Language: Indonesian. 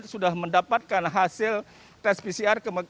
sudah mendapatkan hasil tes pcr